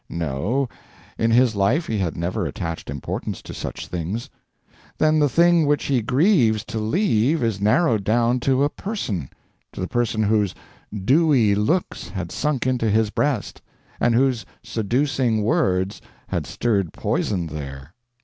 No, in his life he had never attached importance to such things. Then the thing which he grieves to leave is narrowed down to a person to the person whose "dewy looks" had sunk into his breast, and whose seducing words had "stirred poison there."